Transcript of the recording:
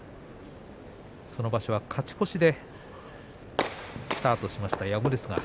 その場所は勝ち越しでスタートしました矢後です。